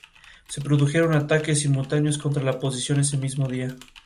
Al tiempo de su muerte, estaba planeando invadir Aquitania, en el suroeste de Francia.